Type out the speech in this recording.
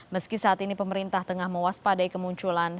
meski saat ini pemerintah tengah mewaspadai kemunculan